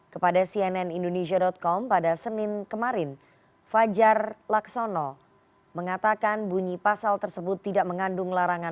kepada cnn indonesia com pada senin kemarin fajar laksono mengatakan bunyi pasal tersebut tidak mengandung larangan